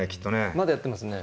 まだやってますね。